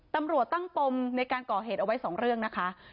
ตำรวจตั้งปมในการก่อเหตุเอาไว้๒เรื่องนะคะ